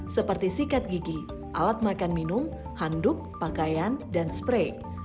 seperti sikat gigi alat makan minum handuk pakaian dan spray